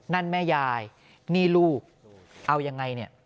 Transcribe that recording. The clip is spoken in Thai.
นั่นแม่ยายนี่ลูกเอายังไงเนี่ย